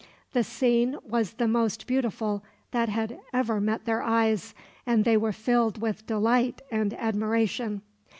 The scene was the most beautiful that had ever met their eyes, and they were filled with delight and admiration.